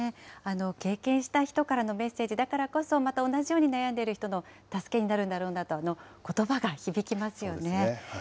経験した人からのメッセージだからこそ、また同じように悩んでいる人の助けになるんだろうなと、ことばが響きますよね。